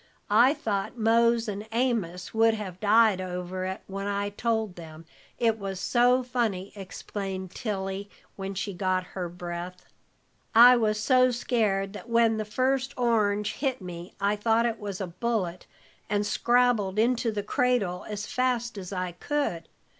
I thought Mose and Amos would have died over it when I told them, it was so funny," explained Tilly, when she got her breath. "I was so scared that when the first orange hit me, I thought it was a bullet, and scrabbled into the cradle as fast as I could.